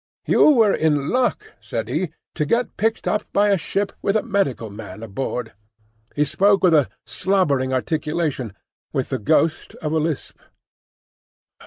"You were in luck," said he, "to get picked up by a ship with a medical man aboard." He spoke with a slobbering articulation, with the ghost of a lisp.